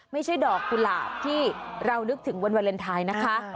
ไม่ใช่ดอกกุหลาบที่เรานึกถึงวันวาเลนไทยนะคะ